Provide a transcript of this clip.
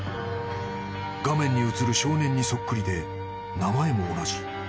［画面に映る少年にそっくりで名前も同じ］